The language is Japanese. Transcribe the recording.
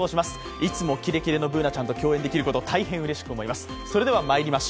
いつもキレキレのＢｏｏｎａちゃんと共演できること大変うれしく思います。